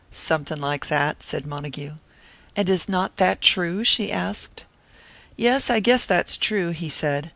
"Something like that," said Montague. "And is not that true?" she asked. "Yes, I guess that's true," he said.